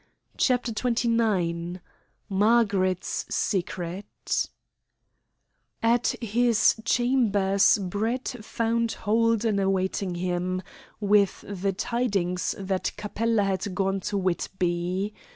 CHAPTER XXIX MARGARET'S SECRET At his chambers Brett found Holden awaiting him, with the tidings that Capella had gone to Whitby.